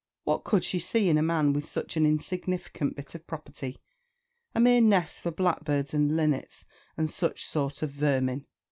What could she see in a man with such an insignificant bit of property, a mere nest for blackbirds and linnets, and such sort of vermin.